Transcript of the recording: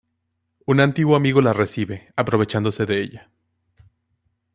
Un antiguo amigo la recibe, aprovechándose de ella.